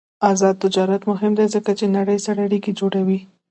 آزاد تجارت مهم دی ځکه چې نړۍ سره اړیکې جوړوي.